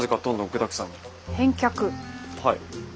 はい。